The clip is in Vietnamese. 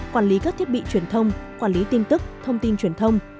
quản lý các thiết bị truyền thông quản lý tin tức thông tin truyền thông